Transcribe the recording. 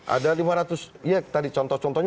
ada lima ratus ya tadi contoh contohnya